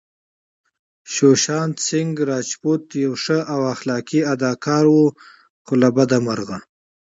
سوشانت سينګ راجپوت يو ښه او اخلاقي اداکار وو خو له بده مرغه